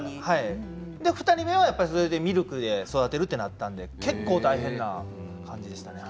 ２人目はミルクで育てるとなったので結構大変な感じでしたね。